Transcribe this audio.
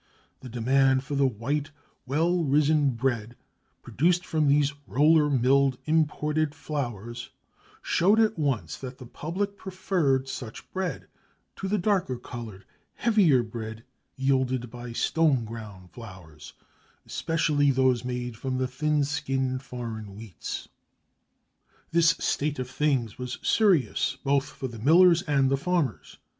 The demand for the white well risen bread produced from these roller milled imported flours showed at once that the public preferred such bread to the darker coloured heavier bread yielded by stone ground flours, especially those made from the thin skinned foreign wheats. This state of things was serious both for the millers and the farmers.